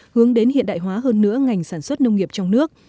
hướng đến hiện đại hóa hơn nữa ngành sản xuất nông nghiệp trong nước